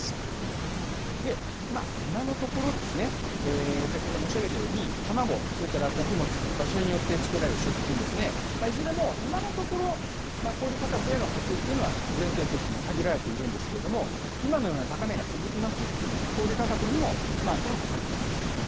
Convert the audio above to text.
今のところですね、先ほど申し上げたように、たまご、それから穀物、それによって作られる食品ですね、いずれも今のところ、小売り価格への波及というのは限定的、限られているんですけれども、今のような高値が続きますと、小売り価格にも転嫁される可能性があると。